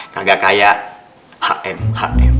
kagak kayak hm hm